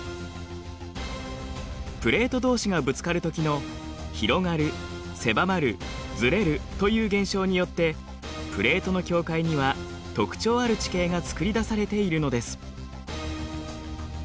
プレートどうしがぶつかるときの「広がる」「狭まる」「ずれる」という現象によってプレートの境界には特徴ある地形が作り出されているのです。